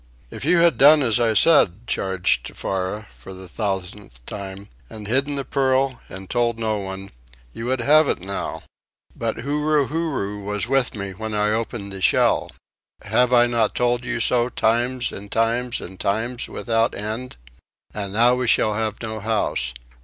"If you had done as I said," charged Tefara, for the thousandth time, "and hidden the pearl and told no one, you would have it now." "But Huru Huru was with me when I opened the shell have I not told you so times and times and times without end?" "And now we shall have no house.